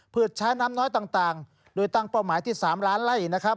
เพื่อใช้น้ำน้อยต่างโดยตั้งเป้าหมายที่๓ล้านไล่นะครับ